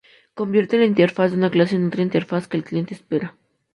Convierte la interfaz de una clase en otra interfaz que el cliente espera.